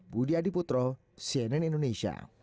budi adiputro cnn indonesia